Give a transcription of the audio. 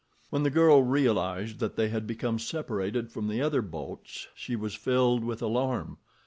When the girl realized that they had become separated from the other boats she was filled with alarm.